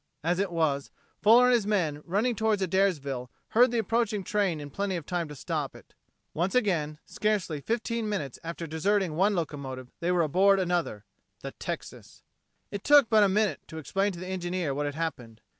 As it was, Fuller and his men, running towards Adairsville, heard the approaching train in plenty of time to stop it. Once again, scarcely fifteen minutes after deserting one locomotive, they were aboard another, the Texas. It took but a minute to explain to the engineer what had happened.